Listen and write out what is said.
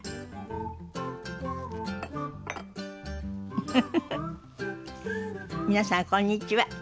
フフフフ皆さんこんにちは。